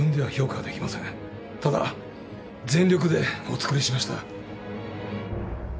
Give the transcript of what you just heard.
ただ全力でお作りしました。